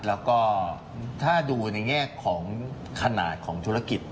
แล้วก็ถ้าดูในแง่ของขนาดของธุรกิจ